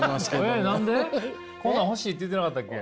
こんなん欲しいって言ってなかったっけ？